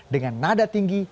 dengan nada tinggi